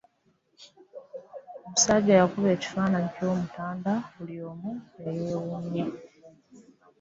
Omusajja yakuba ekifaananyi ky'omutanda buli omu n'eyeewunya.